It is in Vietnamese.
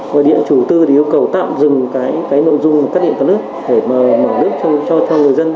gói điện chủ tư thì yêu cầu tạm dừng cái nội dung cắt điện cắt nước để mở nước cho người dân